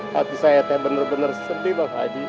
hati saya bener bener sedih